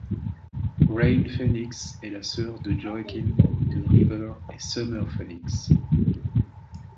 Rain Phoenix est la sœur de Joaquin, de River et Summer Phoenix.